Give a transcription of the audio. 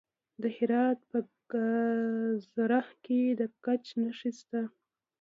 د هرات په ګذره کې د ګچ نښې شته.